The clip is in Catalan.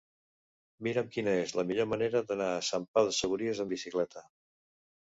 Mira'm quina és la millor manera d'anar a Sant Pau de Segúries amb bicicleta.